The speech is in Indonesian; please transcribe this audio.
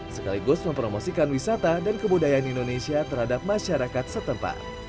sekaligus mempromosikan wisata dan kebudayaan indonesia terhadap masyarakat setempat